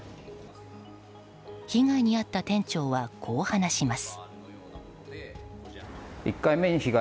被害に遭った店長はこう話します。